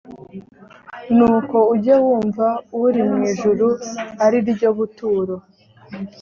nuko ujye wumva uri mu ijuru ari ryo buturo